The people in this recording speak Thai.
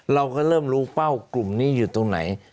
เราก็เริ่มรู้เป้ากลุ่มนี้อยู่ตรงไหน